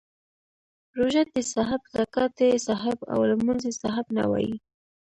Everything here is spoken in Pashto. روژه تي صاحب، زکاتې صاحب او لمونځي صاحب نه وایي.